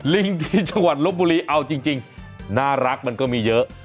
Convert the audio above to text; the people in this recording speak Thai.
ลิงที่จังหวัดลบบุรีเอาจริงน่ารักมันก็มีเยอะ